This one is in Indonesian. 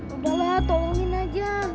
ubalah tolongin aja